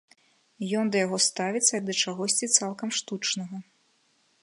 Ён да яго ставіцца як да чагосьці цалкам штучнага.